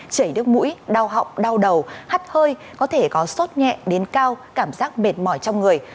chảy nước mũi đau họng đau đầu hắt hơi có thể có sốt nhẹ đến cao cảm giác mệt mỏi trong người